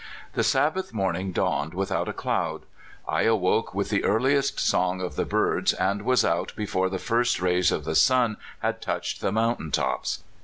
The Sabbath morning dawned without a cloud. I awoke with the earliest song of the birds, and was out before the first rays of the sun had touched the mountain tops.